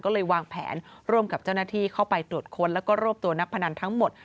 ก็เลยวางแผนร่วมกับเจ้าหน้าที่เข้าไปตรวจค้นแล้วก็รวบตัวนักพนันทั้งหมด